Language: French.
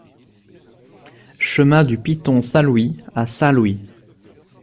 Chemin du Piton Saint-Louis à Saint-Louis